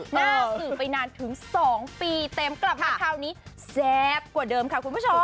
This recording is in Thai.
หน้าสื่อไปนานถึง๒ปีเต็มกลับมาคราวนี้แซ่บกว่าเดิมค่ะคุณผู้ชม